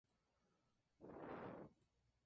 Fue reemplazado por su asistente, Mike D'Antoni.